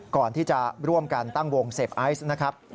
ก่อนที่จะร่วมกันตั้งวงเสพไอซ์นะครับ